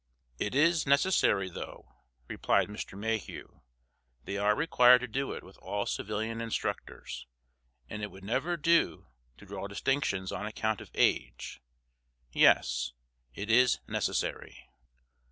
"It is necessary, though," replied Mr. Mayhew. "They are required to do it with all civilian instructors, and it would never do to draw distinctions on account of age. Yes; it is necessary."